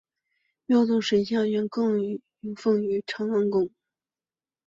庙中的神像原是供奉于长和宫的后殿。